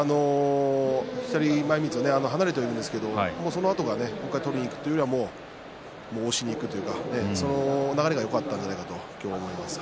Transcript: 左前みつをね、離れてはいるんですけどそのあともう１回取りにいくという押しにいく、流れがよかったんじゃないかなと思います。